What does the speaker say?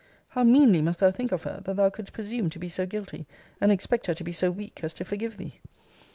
How meanly must thou think of her, that thou couldst presume to be so guilty, and expect her to be so weak as to forgive thee?